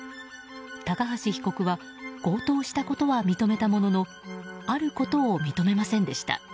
高橋被告は強盗したことは認めたもののあることを認めませんでした。